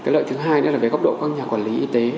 lợi thứ hai góc độ các nhà quản lý y tế